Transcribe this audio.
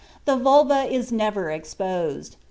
The vulva is never exposed.